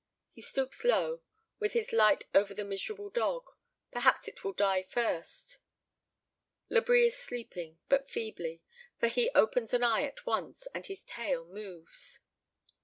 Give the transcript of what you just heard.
He stoops low, with his light over the miserable dog perhaps it will die first. Labri is sleeping, but feebly, for he opens an eye at once, and his tail moves.